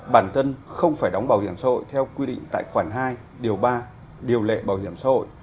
bản thân không phải đóng bảo hiểm xã hội theo quy định tại khoản hai điều ba điều lệ bảo hiểm xã hội